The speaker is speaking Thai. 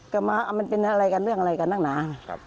ก็มาว่ามันเป็นเรื่องอะไรกันเรื่องอะไรกันนั่งหนา